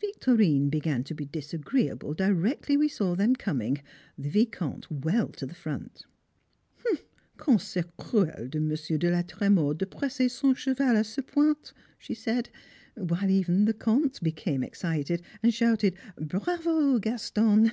Victorine began to be disagreeable directly we saw them coming, the Vicomte well to the front. "Comme c'est cruel de Monsieur de la Trémors, de presser son cheval à ce point," she said, while even the Comte became excited, and shouted, "Bravo, Gaston!"